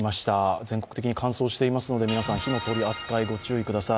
全国的に乾燥していますので、皆さん、火の取り扱い、ご注意ください。